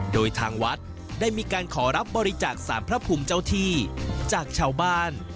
โดยทางวัดได้มีการขอรับบริจาคสารพระภูมิเจ้าที่จากชาวบ้าน